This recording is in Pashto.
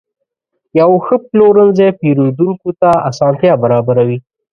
یو ښه پلورنځی پیرودونکو ته اسانتیا برابروي.